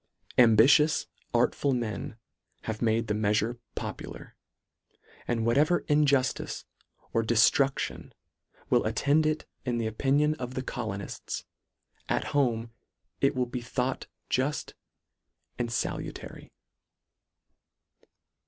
Ambitious, artful men have made the meafure popular, and whatever injuftice or deftruction will attend it in the opinion of the colonifls, at home it will be thought juft and falutary.